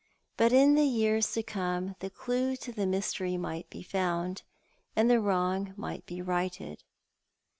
But in the years to come the clue to the mystery might be found, and the wrong might be righted.